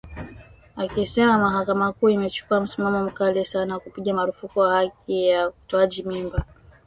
akisema Mahakama Kuu imechukua msimamo mkali sana kupiga marufuku haki ya utoaji mimba